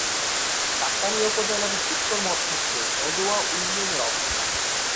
সাতকানিয়া উপজেলার উত্তর-মধ্যাংশে নলুয়া ইউনিয়নের অবস্থান।